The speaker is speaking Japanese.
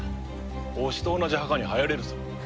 推しと同じ墓に入れるぞ。